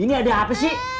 ini ada apa sih